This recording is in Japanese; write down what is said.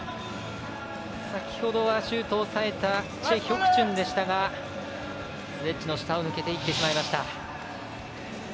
先ほどはシュートを抑えたチェ・ヒョクチュンでしたがスレッジの下を抜けていってしまいました。